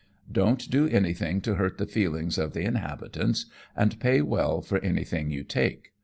Don't do anything to hurt the feelings of the inhabitants ; and pay well for anj'thing you take.